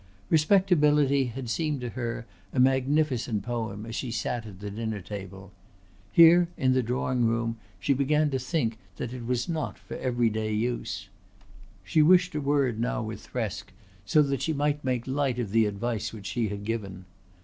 "Respectability" had seemed to her a magnificent poem as she sat at the dinner table. Here in the drawing room she began to think that it was not for every day use. She wished a word now with Thresk, so that she might make light of the advice which she had given.